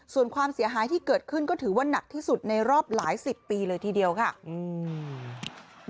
ส่วนความเสียหายที่เกิดขึ้นก็ถือว่านักที่สุดในรอบหลายสิบปีเลยทีเดียวค่ะอืม